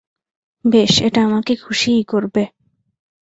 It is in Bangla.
বেশ, এটা আমাকে খুশীই করবে।